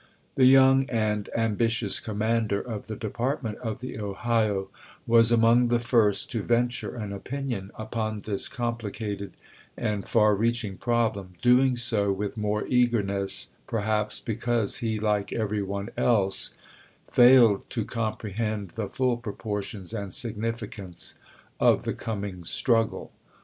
The young and ambitious com mander of the Department of the Ohio, was among the first to venture an opinion upon this compli cated and far reaching problem, doing so with more eagerness, perhaps, because he like every one else failed to comprehend the full proportions and 1861. significance of the coming struggle.